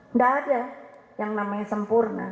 nggak ada yang namanya sempurna